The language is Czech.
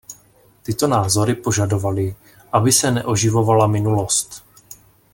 Tyto názory požadovaly, aby se neoživovala minulost.